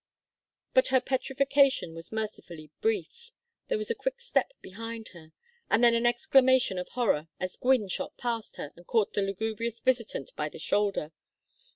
But her petrifaction was mercifully brief. There was a quick step behind her, and then an exclamation of horror as Gwynne shot past and caught the lugubrious visitant by the shoulder.